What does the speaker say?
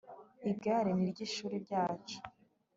Igare ni iryishuri ryacu